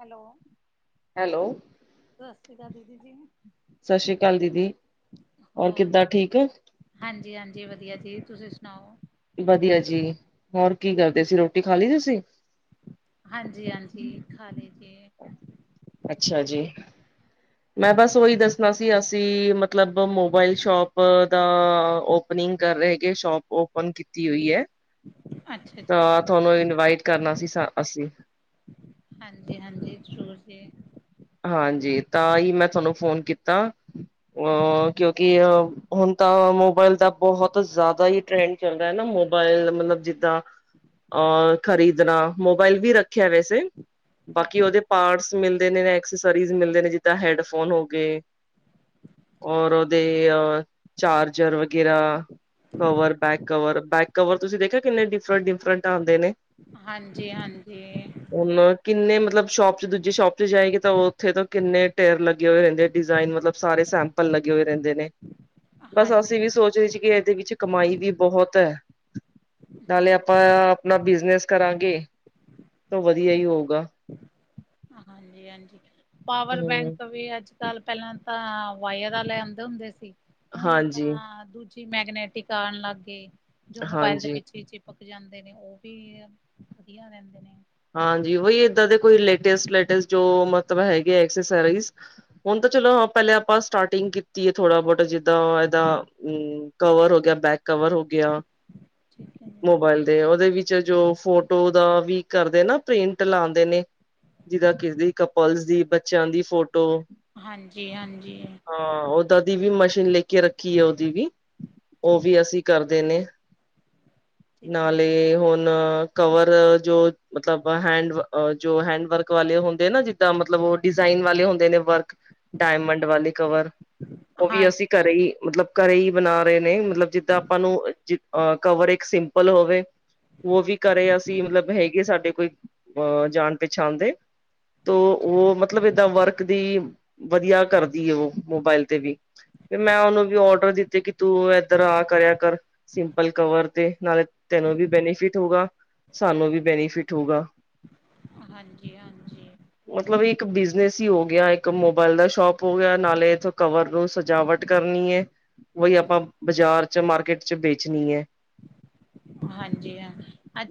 Hello. Hello. ਸਤਿ ਸ਼੍ਰੀ ਅਕਾਲ ਦੀਦੀ ਜੀ। ਸਸ੍ਰੀ ਕਾਲ ਦੀਦੀ, ਹੋਰ ਕਿੱਦਾਂ, ਠੀਕ ਓ? ਹਾਂਜੀ ਹਾਂਜੀ ਵਧੀਆ ਜੀ ਤੁਸੀਂ ਸੁਣਾਓ। ਵਧੀਆ ਜੀ ਹੋਰ ਕੀ ਕਰਦੇ ਸੀ ਰੋਟੀ ਖਾ ਲਈ ਤੁਸੀਂ। ਹਾਂਜੀ ਹਾਂਜੀ ਖਾਲੀ ਜੀ। ਅੱਛਾ ਜੀ ਮੈਂ ਬਸ ਉਹੀ ਦੱਸਣਾ ਸੀ ਅਸੀਂ ਮਤਲਬ ਮਤਲਬ ਮੋਬਾਇਲ ਸ਼ੋਪ ਦਾ ਓਪਨਿੰਗ ਕਰ ਰਹੇ ਸ਼ੋਪ ਓਪਨ ਕੀਤੀ ਹੋਈ ਐ। ਅੱਛਾ ਜੀ। ਤਾਂ ਤੁਹਾਨੂੰ ਇਨਵਾਈਟ ਕਰਨਾ ਸੀ ਅਸੀਂ। ਹਾਂਜੀ ਹਾਂਜੀ ਜ਼ਰੂਰ ਜੀ। ਹਾਂਜੀ ਤਾਂ ਹੀ ਮੈਂ ਤੁਹਾਨੂੰ ਫੋਨ ਕੀਤਾ ਅ ਕਿਉਂਕਿ ਹੁਣ ਤਾਂ ਮੋਬਾਇਲ ਦਾ। ਬਹੁਤ ਜ਼ਿਆਦਾ ਹੀ ਟਰੈਂਡ ਚੱਲ ਰਿਹਾ ਐ ਨਾ ਮੋਬਾਇਲ ਮਤਲਬ ਜਿੱਦਾਂ ਅ ਖ਼ਰੀਦਣਾ ਮੋਬਾਇਲ ਵੀ ਰੱਖਿਆ ਵੈਸੇ ਠੀਕ ਬਾਕੀ ਹੈ। ਉਹਦੇ ਪਾਰਟਸ ਮਿਲਦੇ ਨੇ ਐਕਸਸਰੀਜ਼ ਮਿਲਦੇ ਨੇ ਜਿੱਦਾਂ ਹੈਡਫੋਨ ਹੋ ਗਏ। ਔਰ ਉਹਓਦੇ ਚਾਰਜਰ ਵਗੈਰਾ cover back cover back cover ਤੁਸੀਂ ਦੇਖਿਆ ਕਿੰਨੇ ਡਿਫਰਟ ਡਿਫਰੈਂਟ ਆਉਂਦੇ ਨੇ। ਹਾਂਜੀ। ਹਾਂਜੀ ਹਾਂਜੀ। ਹੁਣ ਕਿੰਨੇ ਮਤਲਬ ਸ਼ੋਪ ਚ ਦੂਜੇ ਸ਼ੋਪ ਚ ਜਾਏਗੀ ਤਾਂ ਉੱਥੇ ਤੋਂ ਕਿੰਨੇ ਟੇਰ ਲੱਗੇ ਹੋਏ ਰਹਿੰਦੇ ਡਿਜ਼ਾਇਨ ਮਤਲਬ ਸਾਰੇ ਸੈਂਪਲ ਲੱਗੇ ਹੋਏ ਰਹਿੰਦੇ ਨੇ। ਬਸ ਅਸੀਂ ਹਾਂਜੀ, ਵੀ ਸੋਚ ਰਹੇ ਸੀ ਕਿ ਇਹਦੇ ਵਿੱਚ ਕਮਾਈ ਵੀ ਬਹੁਤ ਹੈ ਨਾਲੇ ਆਪਾਂ ਆਪਣਾ ਬਿਜਨਸ ਕਰਾਂਗੇ। ਤਾਂ ਵਧੀਆ ਹੀ ਹੋਊਗਾ। ਹਾਂਜੀ ਹਾਂਜੀ ਪਾਵਰ ਹਮ ਬੈਂਕ ਵੇ ਅੱਜ ਸਾਲ ਪਹਿਲਾਂ ਤਾਂ ਵਾਇਰ ਵਾਲ ਲੈ ਆਉਂਦੇ ਹੁੰਦੇ ਸੀ ਹੁਣ ਹਾਂਜੀ ਤਾਂ ਦੂਜੇ ਜ ਮੈਗਨੈਟਿਕ ਆ ਲੱਗ ਗਏ ਜੋ ਮੋਬਾਇਲ ਦੇ ਹਾਂਜੀ ਪਿੱਛੇ ਪਕ ਜਾਂਦੇ ਨੇ ਉਹ ਵੀ ਵਧੀਆ ਰਹਿੰਦੇ ਨੇ। ਹਾਂਜੀ ਓਹੀ ਏਦਾ ਦੇ ਕੋਈ ਲੇਟੇਸਟ ਲੇਟੇਸਟ ਜੋ ਮਤਲਬ ਹੈਗੇ ਅਕਸਸੋਰੀਜ਼ ਹੁਣ ਤਾਂ ਚਲੋ ਪਹਿਲੇ ਆਪਾਂ ਸਟਾਰਟਿੰਗ ਕੀਤੀ ਏ, ਥੋੜਾ ਬਹੁਤਾ ਜਿੱਦਾਂ ਇਹਦਾ ਹੂ, ਕਵਰ ਹੋ ਗਿਆ, ਬੈਕ ਕਵਰ ਹੋ ਗਿਆ, ਠੀਕ ਹੈ ਜੀ। ਮੋਬਾਇਲ ਦੇ ਉਹਦੇ ਵਿੱਚ ਵਿੱਚ ਜੋ ਫੋਟੋ ਦਾ ਵੀ ਕਰਦੇ ਨਾ ਪ੍ਰਿੰਟ ਲਾਂਦੇ ਨੇ, ਜਿਦਾਂ ਕਿਸੇ ਦੀ ਕਪਲ ਦੀ, ਬੱਚਿਆਂ ਦੀ ਫੋਟੋ ਹਾਂਜੀ ਹਾਂਜੀ। ਹਾਂ, ਓਦਾਂ ਦੀ ਵੀ ਮਸ਼ੀਨ ਲੈਕੇ ਰੱਖੀ ਆ ਉਹਦੀ ਵੀ ਉਹ ਠੀਕ ਵੀ ਹੈ ਅਸੀਂ ਕਰਦੇ ਨੇ, ਠੀਕ ਹੈ ਨਾਲੇ ਹੁਣ ਕਵਰ ਜੋ ਮਤਲਬ ਹੈਂਡ ਜੋ ਹੈਂਡ ਵਰਕ ਵਾਲੇ ਹੁੰਦੇ ਨਾ ਜਿੱਦਾਂ ਮਤਲਬ ਉਹ ਡਿਜ਼ਾਇਨ ਵਾਲੇ ਹੁੰਦੇ ਨੇ ਵਰਕ, ਡਾਇਮੰਡ ਵਾਲੇ ਕਵਰ ਉਹ ਵੀ ਅਸੀਂ ਹਾਂਜੀ ਘਰੇ ਮਤਲਬ ਘਰੇ ਹੀ ਬਣਾ ਰਹੇ ਨੇ, ਮਤਲਬ ਜਿੱਦਾਂ ਆਪਾਂ ਨੂੰ ਜ ਅ ਕਵਰ ਇੱਕ ਸਿੰਪਲ ਹੋਵੇ ਉਹ ਵੀ ਘਰੇ ਅਸੀਂ ਮਤਲਬ ਹੈਗੇ ਸਾ ਹੈਗੇ ਕੋਈ ਅਹ ਜਾਣ ਪਛਾਣਦੇ ਦੇ, ਉਹ ਮਤਲਬ ਏਦਾਂ ਵਰਕ ਦੀ ਵਧੀਆ ਕਰਦੀ ਏ ਉਹ ਮੋਬਾਇਲ ਤੇ ਵੀ, ਫੇਰ ਮੈਂ ਉਹਨੂੰ ਵੀ ਔਡਰ ਦਿੱਤੇ ਕਿ ਤੂੰ ਏਧਰ ਆ ਕਰਿਆ ਕਰ ਸਿੰਪਲ ਕਵਰ ਤੇ ਨਾਲੇ ਤੈਨੂੰ ਵੀ ਬੈਨੀਫਿਟ ਹੋਊਗਾ। ਸਾਨੂੰ ਵੀ ਬੈਨੀਫਿਟ ਹੋਊਗਾ। ਹਾਂਜੀ ਹਾਂਜੀ। ਮਤਲਬ ਇੱਕ ਬਿਜਨਸ ਹੀ ਹੋ ਗਿਆ, ਇੱਕ ਮੋਬਾਇਲ ਦਾ ਸ਼ੋਪ ਹੋ ਗਿਆ, ਨਾਲੇ ਇਥੋਂ ਕਵਰ ਨੂੰ ਸਜਾਵਟ ਕਰਨੀ ਏ, ਉਹੀ ਆਪਾਂ ਬਾਜ਼ਾਰ ਚ ਮਾਰਕੀਟ ਚ ਵੇਚਣੀ ਏ। ਹਾਂਜੀ ਹਾਂ,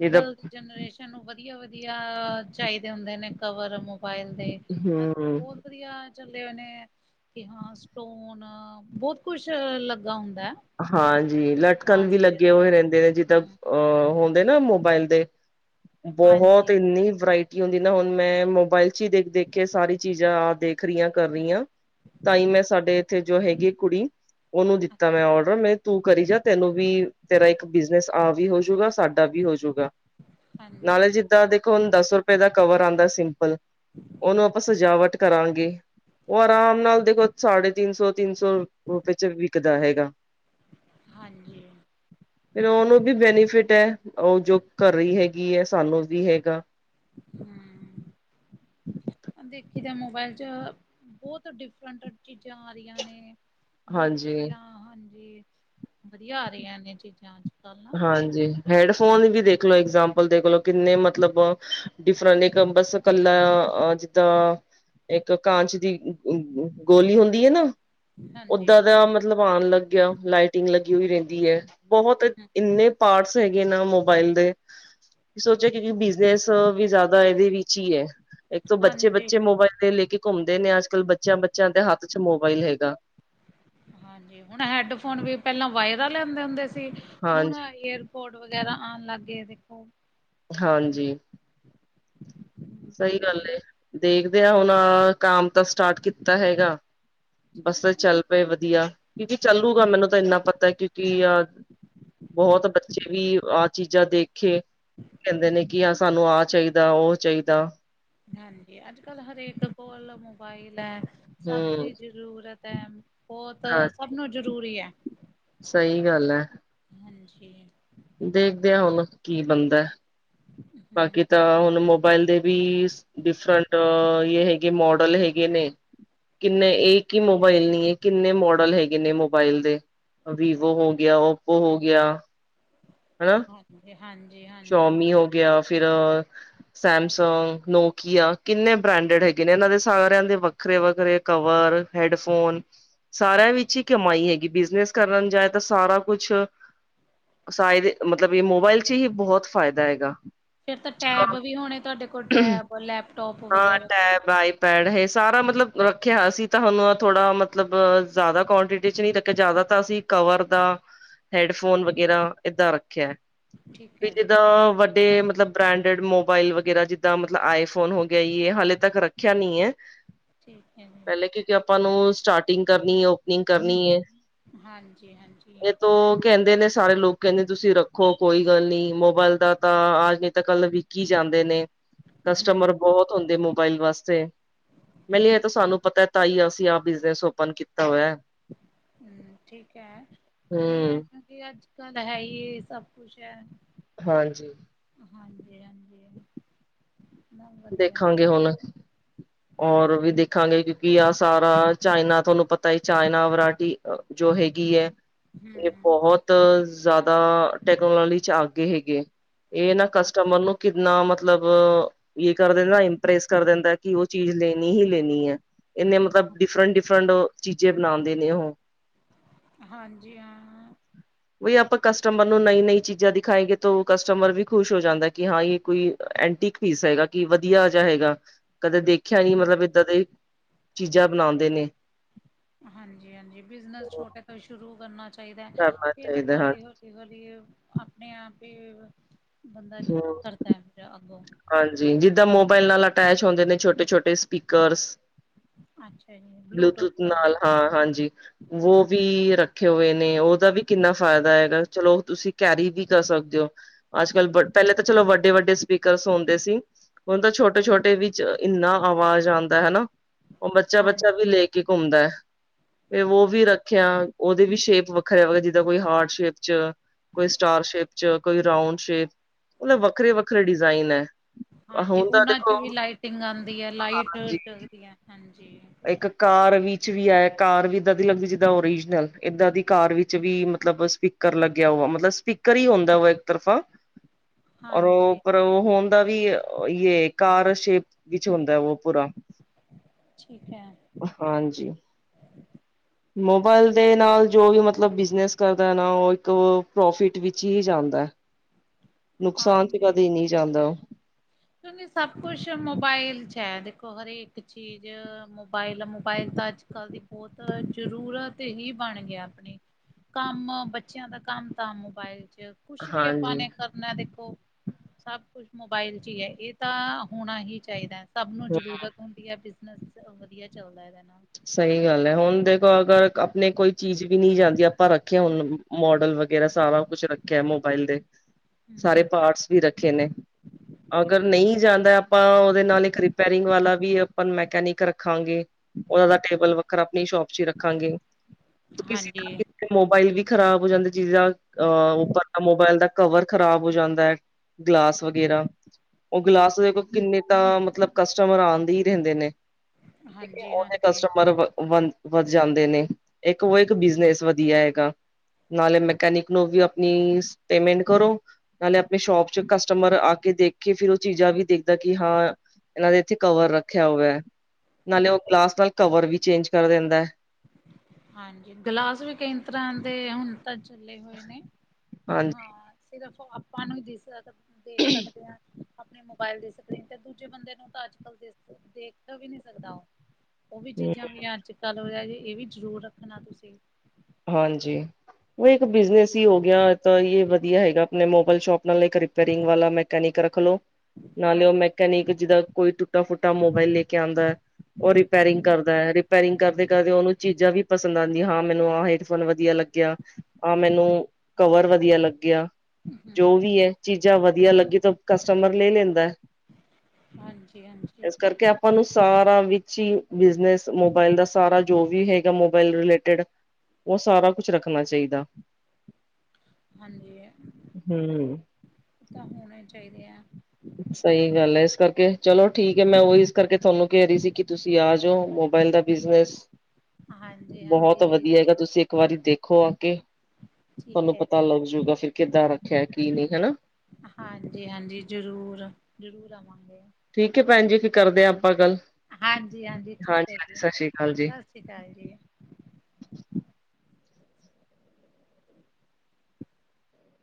ਜਿੱਦਾਂ ਜਨਰੇਸ਼ਨ ਨੂੰ ਵਦੀਆ-ਵਦੀਆ, ਚਾਈਦੇ ਹੁੰਦੇ ਨੇ ਕਵਰ ਮੋ ਮੋਬਾਈਲ ਦੇ, ਅੱਜ-ਕੱਲ ਹਮ ਬੋਤ ਵਦੀਆ ਚੱਲੇ ਹੋਏ ਨੇ ਕਿ ਹਾਂ, ਸਟੋਨ ਬੋਤ ਕੁਛ ਲੱਗਾ ਹੁੰਦੈ। ਹਾਂਜੀ, ਲਟਕਨ ਵੀ ਲੱਗੇ ਹੋਏ ਰੇਂਦੇ ਨੇ ਜਿੱਦਾਂ ਅ ਹਮ ਹੋਨ ਹੁੰਦੇ ਨਾ ਮੋਬਾਇਲ ਦੇ, ਬੋਹਤ ਹਾਂਜੀ ਇੰਨੀ ਵਰਾਇਟੀ ਹੁੰਦੀ ਨਾ ਹੁਨ ਮੈਂ ਮੋਬਾਇਲ ਮੋਬਾਈਲ ਚ ਦੇਖ-ਦੇਖ ਕੇ ਸਾਰੀ ਚੀਜ਼ਾਂ ਦੇਖ ਰੀਆ ਕਰ ਰੀਆਂ, ਤਾਂ ਈ ਮੈਂ ਸਾਡੇ ਏਥੇ ਜੋ ਹੇਗੀ ਕੁੜੀ, ਓਨੂੰ ਦਿੱਤਾ ਮੈਂ ਔਡਰ ਮੈਂ ਤੂੰ ਕਰੀ ਜਾ ਤੈਨੂੰ ਵੀ ਤੇਰਾ ਇੱਕ ਬਿਜਨਸ ਆ ਵੀ ਹੋਜੂਗਾ ਸਾਡਾ ਵੀ ਹੋਜੂਗਾ, ਹਾਂਜੀ ਨਾਲੇ਼ ਜੇ ਜਿੱਦਾਂ ਦੇਖੋ ਹੁਨ ਦਾੱਸ ਰੁਪੇ ਦਾ ਕਵਰ ਆਂਦਾ ਸਿੰਪਲ ਓਨੂੰ ਆਪਾਂ ਸਜਾਵਟ ਕਰਾਂਗੇ, ਓ ਆਰਾਮ ਨਾਲ ਦੇਖੋ ਸਾੜੇ ਤਿੰਨ ਸੌ, ਤਿੰਨ ਸੌ ਰੁਪੇ ਚ ਵਿਕਦਾ ਹੈਗਾ। ਹਾਂਜੀ। ਫੇਰ ਓਨੂੰ ਵੀ ਬੈਨੀਫਿਟ ਐ, ਓ ਜੋ ਕਰ ਰੀ ਹੇਗੀ ਏ ਸਾਨੂੰ ਵੀ ਹੇਗਾ। ਹੂ, ਦੇਖੀ ਦਾ ਮੋਬਾਇਲ ਚ ਬੋਤ ਡਿਫਰੰਟ ਚੀਜਾ ਆ ਰੀਆਂ ਨੇ। ਬੋਤ ਹਾਂਜੀ ਵਦੀਆ ਹਾਂਜੀ, ਵਦੀਆ ਆ ਰੀਆਂ ਨੇ ਚੀਜਾ। ਹਾਂਜੀ, ਹੇੜਫੋਨ ਵੀ ਦੇਖ ਲੋ ਇਗਜਾਂਮਪਲ ਦੇਖ ਲੋ ਕਿੰਨੇ ਮਤਲਬ ਡਿਫਰੰਟ ਇੱਕ ਬਸ ਕੱਲਾ, ਅ ਜਿੱਦਾ ਇੱਕ ਕਾਂਚ ਦੀ ਗੋਲੀ ਹੁੰਦੀ ਆ ਨਾ, ਹਾਂਜੀ। ਓਦਾਂ ਦਾ ਮਤਲਬ ਆਨ ਲੱਗੇਆ ਲਾਈਟਿੰਗ ਲੱਗੀ ਵੀ ਰੈਂਦੀ ਏ। ਬਹੋਤ ਇੰਨੇ ਪਾਰਟਸ ਹੈਗੇ ਨਾ ਮੋਬਾਇਲ ਦੇ ਸੋਚੋ ਕੀ ਕੇਓਕਿ ਬਿਜਨਸ ਵੀ ਜਾਦਾ ਵੀ ਏਦੇ ਵਿੱਚ ਈ ਏ। ਇੱਕ ਤੋਂ ਹਾਂਜੀ ਬੱਚੇ-ਬੱਚੇ ਮੋਬਾਇਲ ਲੇ-ਲੇ ਕੇ ਘੁੰਮਦੇ ਨੇ ਅੱਜ-ਕੱਲ ਬੱਚੇਆਂ-ਬੱਚੇਆਂ ਦੇ ਹਾੱਥ ਚ ਮੋਬਾਈਲ ਹੇਗਾ। ਹਾਂਜੀ, ਹੁਣ ਹੈਡਫੋਨ ਵੀ ਪੈਲਾਂ ਵਾਏਰਲ ਆਂਦੇ ਹੁੰਦੇ ਸੀ ਹੁਣ ਹਾਂਜੀ ਏਅਰਪੋਟ ਵਗੈਰਾ ਆਨ ਲੱਗ ਗੇ ਦੇਖੋ ਹਾਂਜੀ। ਸਈ ਗੱਲ ਏ, ਦੇਖਦੇ ਆ ਹੋਨ ਕਾਮ ਤਾਂ ਸਟਾਟ ਕੀਤਾ ਹੇਗਾ, ਬਸ ਫੇਰ ਚੱਲ ਵੇ ਵਦੀਆ, ਕਿਉਂਕਿ ਚੱਲੂਗਾ ਮੈਨੂੰ ਤਾਂ ਏਨਾ ਪਤਾ ਏ ਕਿਉਂਕਿ ਆ ਬਹੋਤ ਬੱਚੇ ਵੀ ਆ ਚੀਜਾ ਦੇਖਕੇ, ਕੇਂਦੇ ਨੇ ਕਿ ਆ ਸਾਨੂੰ ਆ ਚਾਈ ਜਿੱਦਾ ਓ ਚਾਈਦਾ। ਹਾਂਜੀ, ਅੱਜ-ਕੱਲ ਹਰੇਕ ਦੇ ਕੋਲ ਮੋਬਾਈਲ ਐ। ਸਬ ਹੂੰ ਦੀ ਜ਼ਰੂਰਤ ਐ, ਬੋਤ ਸਬ ਨੂੰ ਜਰੂਰੀ ਐ। ਸਈ ਗਾੱਲ ਐ। ਹਾਂਜੀ। ਦੇਖਦੇ ਆ ਹੋਨ ਕੀ ਬਨਦੈ। [inaudible] ਬਾਕੀ ਤਾ ਹੋਨ ਮੋਬਾਇਲ ਦੇ ਬੀ, ਡਿਫਰੰਟ ਯੇ ਹੇਗੇ ਨੇ ਮੌਡਲ ਹੇਗੇ ਨੇ। ਕਿੰਨੇ, ਏਕ ਈ ਮੋਬਾਇਲ ਨੀ ਕਿੰਨੇ ਮੋੜਲ ਹੇਗੇ ਨੇ ਮੋਬਾਇਲ ਦੇ। ਵੀਵੋ ਹੋ ਗੇਆ, ਓਪੋ ਹੋ ਗੇਆ। [inaudible] ਹਾਂਜੀ-ਹਾਂਜੀ, ਹਾਂਜੀ। ਤੇ ਆ ਫਿਰ ਸੈਮਸੰਗ, ਨੋਕੀਆ ਕਿੰਨੇ ਬ੍ਰਾਂਡੇੜ ਹੈਗੇ ਨੇ ਏਨਾਂ ਦੇ ਸਾਰੇਆਂ ਦੇ ਵੱਖ ਵੱਖਰੇ-ਵੱਖਰੇ ਕਵਰ, ਹੈਡਫ਼ੋਨ ਸਾਰਿਆਂ ਵਿੱਚ ਹੀ ਕਮਾਈ ਹੈਗੀ ਬਿਜਨਸ ਕਰਨ ਜਾਏ ਤਾਂ ਸਾਰਾ ਕੁਛ ਸ਼ਾਇਦ ਮਤਲਬ ਇਹ ਮੋਬਾਇਲ 'ਚ ਹੀ ਬਹੁਤ ਫ਼ਾਇਦਾ ਹੈਗਾ। ਫਿਰ ਤਾਂ ਟੈਬ ਵੀ ਹੋਣੇ ਤੁਹਾਡੇ ਕੋਲ ਟੈਬ, ਲੈਪਟੋਪ ਵਗੈਰਾ ਵੀ ਪੈਡ ਇਹ ਸਾਰਾ ਮਤਲਬ ਰੱਖਿਆ ਅਸੀਂ ਤਾਂ ਹੁਣ ਆਹ ਥੋੜਾ ਮਤਲਬ ਜਾਦਾ ਕੁਆਂਟਿਟੀ 'ਚ ਨਹੀਂ ਰੱਖਿਆ ਜਾਦਾ ਤਾਂ ਅਸੀਂ ਕਵਰ ਦਾ ਹੈਡਫੋਨ ਵਗੈਰਾ ਏਦਾਂ ਰੱਖਿਆ ਠੀਕ ਵੀ ਹੈ। ਜਿੱਦਾਂ ਵ ਤੇ ਮਤਲਬ ਬ੍ਰਾਂਡਡ ਮੋਬਾਇਲ ਵਗੈਰਾ ਜਿੱਦਾਂ ਮਤਲਬ ਆਈਫੋਨ ਹੋ ਗਿਆ ਹਾਲੇ ਤੱਕ ਰੱਖਿਆ ਨੀ ਹੈ। ਠੀਕ ਹੈ ਜੀ। ਕਿ ਆਪਾਂ ਨੂੰ ਸਟਾਰਟਿੰਗ ਕਰਨੀ ਏ ਓਪਨਿੰਗ ਕਰਨੀ ਏ। ਹਾਂਜੀ-ਹਾਂਜੀ, ਇਹ ਤੋਂ ਕੈਂਦੇ ਨੇ ਸਾਰੇ ਲੋਕ ਕੈਂਦੇ ਤੁਸੀਂ ਰੱਖੋ ਕੋਈ ਗੱਲ ਨਹੀਂ ਮੋਬਾਇਲ ਦਾ ਤਾ ਅੱਜ ਨਹੀਂ ਤਾਂ ਕੱਲ ਵਿਕ ਹੀ ਜਾਂਦੇ ਨੇ। ਕਸਟਮਰ ਹੂੰ-ਹੂੰ ਬਹੁਤ ਹੁੰਦੇ ਮੋਬਾਇਲ ਵਾਸਤੇ ਮਿਲ ਈ ਤਾਂ ਸਾਨੂੰ ਪਤਾ ਤਾਂਹੀ ਅਸੀਂ ਆਹ ਬਿਜਨਸ ਓਪਨ ਕੀਤਾ ਹੋਇਆ। ਹੂੰ ਠੀਕ ਹੈ ਵਧੀਆ ਹਮ ਏ। ਇਹ ਅੱਜ ਕੱਲ ਹੈ ਏ ਸਭ ਕੁਛ ਹੈ। ਹਾਂਜੀ ਹਾਂਜੀ-ਹਾਂਜੀ ਨਾ ਵਧੀਆ ਦੇਖਾਂਗੇ ਹੁਣ ਔਰ ਵੀ ਦੇਖਾਂਗੇ ਕਿਉਂਕਿ ਆ ਸਾਰਾ ਚਾਈਨਾ ਤੁਹਾਨੂੰ ਪਤਾ ਈ ਚਾਈਨਾ ਵਰਾਇਟੀ ਜੋ ਹੈਗੀ ਹੈ। ਇਹ ਹੂੰ ਬਹੁਤ ਜਾਦਾ ਟੈਕਨੋਲੋਜੀ 'ਚ ਆਗੇ ਹੈਗੇ। ਇਹ ਨਾ ਹਾਂ ਕਸਟਮਰ ਨੂੰ ਕਿੰਨਾ ਮਤਲਬ ਇਹ ਕਰ ਦਿੰਦਾ ਨਾ ਇੰਪ੍ਰੈਸ ਕਰ ਦਿੰਦਾ। ਕਿ ਉਹ ਚੀਜ਼ ਲੈਣੀ ਹੀ ਲੈਣੀ ਹੈ ਇੰਨੇ ਮਤਲਬ ਡਿਫਰੈਂਟ-ਡਿਫਰੈਂਟ ਚੀਜ਼ੇ ਬਣਾਉਂਦੇ ਨੇ ਉਹ ਹਾਂਜੀ ਹਾਂ। ਬਈ ਆਪਾਂ ਕਸਟਮਰ ਨੂੰ ਨਈ ਨਈ ਚੀਜ਼ਾਂ ਦਿਖਾਏਗੇ ਤਾਂ ਕਸਟਮਰ ਵੀ ਖੁਸ਼ ਹੋ ਜਾਂਦਾ ਕਿ ਹਾਂ ਇਹ ਕੋਈ ਐਂਟੀਕ ਪੀਸ ਹੈਗਾ ਕਿ ਵਧੀਆ ਜਿਹਾ ਹੈਗਾ। ਕਦੇ ਦੇਖਿਆ ਨੀ ਮਤਲਬ ਏਦਾਂ ਦੀ ਚੀਜ਼ਾਂ ਬਣਾਉਂਦੇ ਨੇ। ਹਾਂਜੀ-ਹਾਂਜੀ ਬਿਜਨਸ ਛੋਟੇ ਤੋਂ ਸ਼ੁਰੂ ਕਰਨਾ ਚਾਹੀਦਾ ਕਰਨਾ ਫਿਰ ਚਾਹੀਦਾ ਹਾਂ ਹੌਲੀ-ਹੌਲੀ ਤਦੀ ਆਪਣੇ ਆਪ ਹੀ ਬੰਦਾ ਹੂੰ। ਕਰਦਾ ਜ ਅੱਗੋਂ ਹਾਂਜੀ ਜਿੱਦਾਂ ਮੋਬਾਇਲ ਨਾਲ ਅਟੈਚ ਹੁੰਦੇ ਨੇ ਛੋਟੇ-ਛੋਟੇ ਸਪੀਕਰਸ ਅੱਛਾ ਜੀ ਬਲੂਟੂਥ ਵਾਲੇ ਨਾਲ ਹਾਂ ਹਾਂਜੀ। ਓ ਵੀ ਰੱਖੇ ਹੋਏ ਨੇ ਉਹਦਾ ਵੀ ਕਿੰਨਾ ਫਾਇਦਾ ਹੈਗਾ ਚਲੋ ਤੁਸੀਂ ਕੈਰੀ ਵੀ ਕਰ ਸਕਦੇ ਹੋ। ਹ ਬਿਲਕੁਲ ਪੈਲੇ ਤਾ ਚਲੋ ਵੱਡੇ-ਵੱਡੇ ਸਪੀਕਰਸ ਹੁੰਦੇ ਸੀ। ਹੁਣ ਤਾ ਛੋਟੇ-ਛੋਟੇ ਵਿੱਚ ਇੰਨਾ ਆਵਾਜ਼ ਆਂਦਾ ਹਨਾ। ਓ ਬੱਚਾ-ਬੱਚਾ ਵੀ ਹਾਂਜੀ, ਲੈ ਕੇ ਘੁੰਮਦਾ ਹੈ ਏ ਓ ਵੀ ਰੱਖਿਆ ਓਦੇ ਵੀ ਸ਼ੇਪ ਵੱਖਰੇ ਵ ਜਿਦਾਂ ਕੋਈ ਹਾਰਡ ਸ਼ੇਪ 'ਚ ਕੋਈ ਸਟਾਰ ਸ਼ੇਪ 'ਚ ਕੋਈ ਰਾਉਂਡ ਸ਼ੇਪ ਮਤਲਬ ਵੱਖਰੇ-ਵੱਖਰੇ ਡਿਜ਼ਾਇਨ ਐ। ਹਾਂਜੀ ਓਨਾ 'ਚ ਵੀ ਲਾਈਟਿੰਗ ਆਂਦੀ ਐ ਲਾਈਟ ਹਾਂ ਜੱਗਦੀਆਂ ਹਾਂਜੀ। ਇੱਕ ਕਾਰ ਵਿੱਚ ਵੀ ਐ ਕਾਰ ਵੀ ਇੱਦਾਂ ਦੀ ਲੱਗਦੀ ਜਿੱਦਾਂ ਓਰੀਜਨਲ ਏਦਾਂ ਦੀ ਕਾਰ ਵਿੱਚ ਵੀ ਮਤਲਬ ਸਪੀ ਕਰ ਲੱਗਿਆ ਵਾ ਮਤਲਬ ਸਪੀਕਰ ਹੀ ਹੁੰਦਾ ਵਾ ਇੱਕ ਤਰਫਾ ਔਰ ਓ ਹਾਂਜੀ, ਪਰ ਓ ਹੋਣ ਦਾ ਵੀ ਯੇ ਕਾਰ ਸ਼ੇਪ ਵਿੱਚ ਹੁੰਦੈ ਵੋ ਪੂਰਾ ਠੀਕ ਹੈ। ਹਾਂਜੀ। ਮੋਬਾਇਲ ਦੇ ਨਾਲ ਜੋ ਵੀ ਮਤਲਬ ਬਿਜਨਸ ਕਰਦੈ ਨਾ ਓਹ ਇੱਕ ਪ੍ਰੋਫਿਟ ਵਿੱਚ ਹੀ ਜਾਂਦੈ। ਨੁਕਸਾਨ ਚ ਕਦੇ ਨੀ ਜਾਂਦਾ ਓਹ। ਹੁਣ ਏ ਸਭ ਕੁਛ ਮੋਬਾਈਲ 'ਚ ਐ, ਦੇਖੋ ਹਰ ਏਕ ਚੀਜ਼ ਮੋਬਾਈਲ ਐ ਮੋਬਾਈਲ ਤਾਂ ਅੱਜ ਕੱਲ ਦੀ ਬੌਤ ਜ਼ਰੂਰਤ ਹੀ ਬਣ ਗਿਐ ਅਪਣੀ। ਕੰਮ ਬੱਚਿਆਂ ਦਾ ਕੰਮ ਤਾਂ ਮੋਬਾਇਲ ਚ। ਕੁਛ ਵੀ ਅਪਾਂ ਹਾਂਜੀ ਨੇ ਕਰਨੈ ਦੇਖੋ ਸਭ ਕੁਛ ਮੋਬਾਈਲ ਚੀ ਐ, ਏਤਾਂ ਹੋਣਾ ਹੀ ਚਾਹੀਦੈ ਸਭ ਨੂੰ ਹੂੰ, ਜ਼ਰੂਰਤ ਹੁੰਦੀ ਐ ਬਿਜ ਨਸ ਵਧੀਆ ਚੱਲਦੈ ਐਦੇ ਨਾਲ। ਸਹੀ ਗੱਲ ਐ ਹੁਣ ਦੇਖੋ ਅਗਰ ਅਪਣੇ ਕੋਈ ਚੀਜ਼ ਵੀ ਨੀ ਜਾਂਦੀ ਅਪਾਂ ਰੱਖੇਐ ਹੁਣ ਮੋਡਲ ਵਗੈਰਾ ਸਾਰਾ ਕੁਛ ਰੱਖਿਐ ਮੋਬਾਇਲ ਦੇ ਸਾਰੇ ਹੂੰ ਪਾਰਟਸ ਵੀ ਰੱਖੇ ਨੇ ਅਗਰ ਨਹੀਂ ਜਾਂਦੈ ਅਪਾਂ ਓਦੇ ਨਾਲ ਇੱਕ ਰਿਪੇਰਿੰਗ ਵਾਲਾ ਵੀ ਪਰ ਮੈਕੈਨਿਕ ਰੱਖਾਂਗੇ ਔਦਾ ਟੇਬਲ ਵੱਖਰਾ ਅਪਣੀ ਸ਼ੋਪ ਚੀ ਰੱਖਾਂਗੇ। ਹਾਂਜੀ। ਤੇ ਮੋਬਾਇਲ ਵੀ ਖ਼ਰਾਬ ਹੋ ਜਾਂਦੇ ਚੀਜਾਂ ਅਹ ਉਪਰ ਦਾ ਮੋਬਾਇਲ ਦਾ ਕਵਰ ਖ਼ਰਾਬ ਹੋ ਜਾਂਦੈ, ਗਲਾਸ ਵਗੈਰਾ। ਓਹ ਗਲਾਸ ਦੇਖੋ ਕਿੰਨੇ ਤਾਂ ਮਤਲਬ ਕਸਟਮਰ ਆਂਦੀ ਹੀ ਰੈੰਦੇ ਨੇ। ਹਾਂਜੀ ਹਾਂਜੀ ਪਰ ਵਨ ਵੱਧ ਜਾਂਦੇ ਨੇ ਇੱਕ ਵੋ ਇੱਕ ਬਿਜਨਸ ਵਧੀਆ ਹੈਗਾ। ਨਾਲੇ ਮੈਕੈਨਿਕ ਨੂੰ ਵੀ ਅਪਣੀ ਸ ਪੇਮੈਂਟ ਕਰੋ। ਨਾਲੇ ਅਪਣੀ ਸ਼ੋਪ ਚ ਕਸਟਮਰ ਆ ਕੇ ਦੇਖ ਕੇ ਫਿਰ ਓਹ ਚੀਜ਼ਾਂ ਵੀ ਦੇਖਦਾ ਕਿ ਹਾਂ ਇਹਨਾਂ ਦੇ ਇਥੇ ਕਵਰ ਰੱਖਿਆ ਹੋਯੈ, ਨਾਲੇ ਓਹ ਹਮ ਗਲਾਸ ਨਾਲ ਕਵਰ ਵੀ ਚੇਂਜ ਕਰ ਦਿੰਦਾ ਹਾਂਜੀ, ਗਲਾਸ ਵੀ ਕਈ ਤਰ੍ਹਾਂ ਦੇ ਹੁਣ ਤਾ ਚੱਲੇ ਹੋਏ ਨੇ। ਤੇ ਹਾਂਜੀ ਹਾਂ ਸਿਰਫ਼ ਆਪਾਂ ਨੂੰ ਦਿਸ ਰੈ ਤੇ ਦੇਖ ਸਕਦੇ ਆਂ। ਆਪਣੇ ਮੋਬਾਇਲ ਦੀ ਸਕਰੀਨ ਤੇ ਦੂਜੇ ਬੰਦੇ ਨੂੰ ਤਾਂ ਅੱਜ ਕਲ ਦਿਸਦਾ ਦੇਖ ਵੀ ਨੀ ਸਕਦਾ ਓਹ। ਉਹ ਵੀ ਚੀਜ਼ਾਂ ਵੀ ਅੱਜ ਕੱਲ ਹੋਯੈ ਏਹ ਵੀ ਜ਼ਰੂਰ ਰੱਖਣਾ ਤੁਸੀਂ। ਹਾਂਜੀ, ਔ ਇੱਕ ਹਾਂ ਬਿਜਨਸ ਹੀ ਹੋ ਗਿਆ, ਐ ਤਾਂ ਯੇ ਵ ਵਧੀਆ ਹੈਗਾ ਅਪਣੇ ਮੋਬੇਲ ਸ਼ੋਪ ਨਾਲ ਇੱਕ ਰਿਪੇਅਰਿੰਗ ਵਾਲਾ ਮੈਕੈਨਿਕ ਰੱਖ ਲੋ, ਨਾਲੇ ਓਹ ਮ ਕੈਣੀਕ ਜਿੱਦਾਂ ਕੋਈ ਟੁੱਟਾ ਫੁੱਟਾ ਮੋਬਾਈਲ ਲੇ ਕੇ ਆੰਦੈ। ਔ ਰਿਪੇਰਿੰਗ ਕਰਦਾ ਰਿਪੈਰਿੰਗ ਕਰਦੇ ਕਰਦੇ ਓਨੂੰ ਚੀਜ਼ਾਂ ਵੀ ਪਸਦ ਆੰਦੀਆਂ ਹਾਂ ਮੈਨੂੰ ਆ ਹੈਡ ਫੋਨ ਵਧੀਆ ਲੱਗ ਗੀਆ, ਮੈਨੂੰ ਕਵਰ ਵਧੀਆ ਲੱਗਿਆ ਜੋ ਹਮ ਵੀ ਐ। ਚੀਜ਼ਾਂ ਵਧੀਆ ਲੱਗੀ ਤੋਂ ਕਸਟਮਰ ਲੇ ਲੇੰਦੈ ਹਾਂਜੀ ਹਾਂਜੀ ਇਸ ਕਰਕੇ ਅਪਾਂ ਨੂੰ ਸਾਰਾ ਵਿੱਚ ਹੀ ਬਿਜਨਸ ਮੋਬਾਇਲ ਦਾ ਸਾਰਾ ਜੋ ਵੀ ਹੈਗਾ ਮੋਬਾਇਲ ਰਿਲੇਟਿਡ ਔ ਸਾਰਾ ਕੁਛ ਰੱਖਣਾ ਚਾਈਦਾ। ਹਾਂਜੀ, ਹਮ ਤਾਂ ਹੋਣੇ ਚਾਹੀਦੇ ਐ। ਸਹੀ ਗੱਲ ਹੈ ਇਸ ਕਰਕੇ ਚਲੋ ਠੀਕ ਹੈ ਮੈਂ ਵੋ ਇਸ ਕਰਕੇ ਤੁਹੈਨੂੰ ਕੈ ਰੀ ਸੀ ਕੀ ਤੁਸੀਂ ਆ ਜੋ ਮੋਬਾਇਲ ਦਾ ਬਿਜਨਸ ਹਾਂਜੀ ਬਹੌਤ ਹਾਂਜੀ ਵਧੀਆ ਹੈਗਾ ਤੁਸੀਂ ਇੱਕ ਵਾਰੀ ਦੇਖੋ ਆ ਕੇ। ਠੀਕ ਤੁਹਾਨੂੰ ਹੈ ਪਤਾ ਲੱਗ ਜੂਗਾ ਫਿਰ ਕਿੱਦਾਂ ਰੱਖਿਆ ਕੀ ਨੀ, ਹੈਨਾ। ਹਾਂਜੀ ਹਾਂਜੀ, ਜ਼ਰੂਰ ਜ਼ਰੂਰ ਆਵਾਂਗੇ। ਠੀਕ ਹੈ ਭੈਣ ਜੀ, ਫਿਰ ਕਰਦੇ ਆ ਅਪਾਂ ਗੱਲ। ਹਾਂਜੀ ਹਾਂਜੀ, ਠੀਕ ਹੈ ਹਾਂਜੀ ਜੀ ਸਤਿ ਸ੍ਰੀ ਅਕਾਲ ਜੀ ਸਤ ਸ਼੍ਰੀ ਕਾਲ ਜੀ।